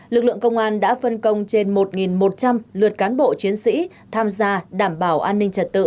lực lượng công an đã phân công trên một một trăm linh lượt cán bộ chiến sĩ tham gia đảm bảo an ninh trật tự